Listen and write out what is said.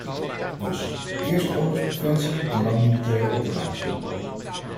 Dus: eerst oorlogspreventie en dan militaire outillage.